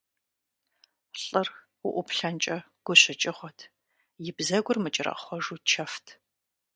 ЛӀыр уӀуплъэнкӀэ гущыкӀыгъуэт, и бзэгур мыкӀэрэхъуэжу чэфт.